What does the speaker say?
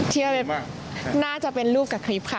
เชื่อเลยน่าจะเป็นรูปกับคลิปค่ะ